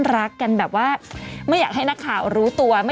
ระดับพระเอกนางเอกนะคะหล่อสวย